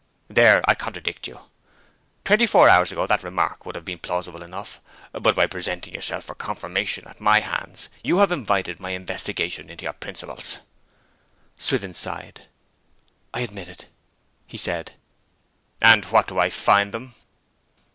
'There I contradict you. Twenty four hours ago that remark would have been plausible enough; but by presenting yourself for confirmation at my hands you have invited my investigation into your principles.' Swithin sighed. 'I admit it,' he said. 'And what do I find them?'